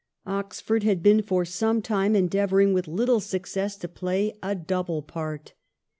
Oxford had been for some time endeavouring, with little success, to play a double part.